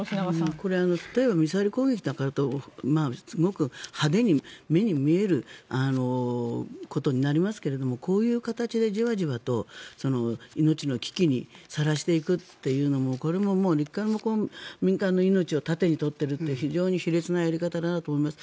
これミサイル攻撃だからと派手に目に見えることになりますけどもこういう形でじわじわと命の危機にさらしていくというのもこれももう民間の命を盾に取っているという非常に卑劣なやり方だなと思います。